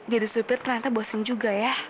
jadi supir ternyata bosan juga ya